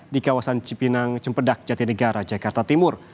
di kawasan cipinang cempedak jatinegara jakarta timur